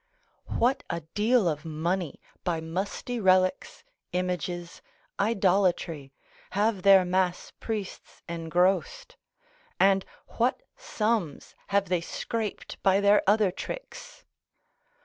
What a deal of money by musty relics, images, idolatry, have their mass priests engrossed, and what sums have they scraped by their other tricks!